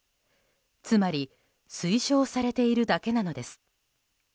つまり推奨されているだけなのです。